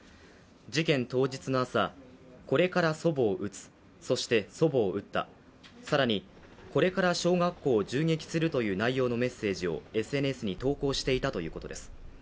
事件当日の朝、これから祖母を撃つ、そして祖母を打った、更に、これから小学校を銃撃するという内容のメッセージをＳＮＳに投稿していたということです